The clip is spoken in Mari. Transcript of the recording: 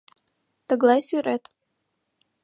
Тыглай сӱрет.